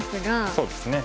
そうですね。